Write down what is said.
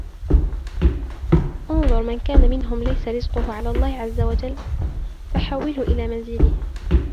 اُنْظُرْ مَنْ كَانَ مِنْهُمْ لَيْسَ رِزْقُهُ عَلَى اللَّهِ عَزَّ وَجَلَّ فَحَوِّلْهُ إلَى مَنْزِلِي